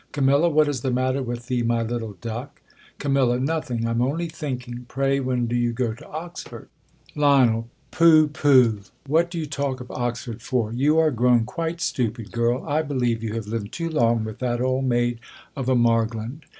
Camilla, what is the matter with thee, my little duck ? Cayn, Nothing — I am only thinking — Pray when do you go to Oxford ? Lion, Poh, poh, v/hat do you talk of Oxford for ? you are grown quite stupid, girl. I believe you ha\ t lived too long v/ith that old maid of a Margland.